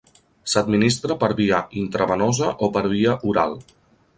S'administra per via intravenosa o per via oral.